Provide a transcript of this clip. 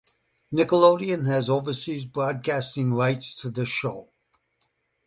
Nickelodeon has overseas broadcasting rights to the show.